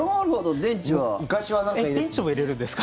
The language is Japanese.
電池も入れるんですか？